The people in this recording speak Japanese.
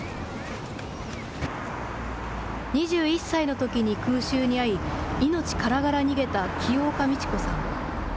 ２１歳のときに空襲に遭い命からがら逃げた清岡美知子さん。